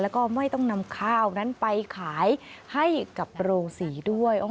แล้วก็ไม่ต้องนำข้าวนั้นไปขายให้กับโรงศรีด้วย